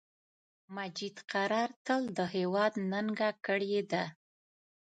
مجید قرار تل د هیواد ننګه کړی ده